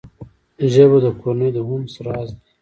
ژبه د کورنۍ د انس راز دی